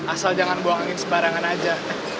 asal jangan buang angin sembarangan aja